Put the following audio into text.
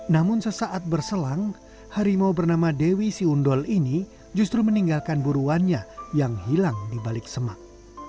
namun sesaat berselang harimau bernama dewi siundol ini justru meninggalkan buruannya yang hilang di balik semak